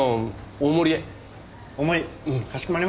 大盛り。